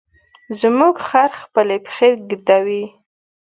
زموږ خر خپلې پښې ږدوي.